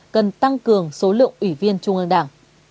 cần tăng cường số lượng ủy viên trung ương đảng